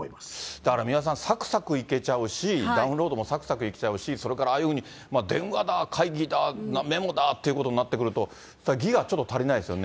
だから三輪さん、さくさくいけちゃうし、ダウンロードもさくさくいっちゃうし、それからああいうふうに、電話だ、会議だ、メモだってことになってくると、それ、ギガちょっと足りないですよね。